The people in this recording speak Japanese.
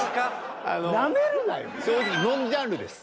正直ノンジャンルです。